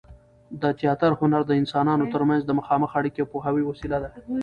د تياتر هنر د انسانانو تر منځ د مخامخ اړیکې او پوهاوي وسیله ده.